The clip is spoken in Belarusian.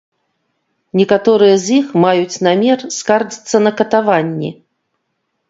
Некаторыя з іх маюць намер скардзіцца на катаванні.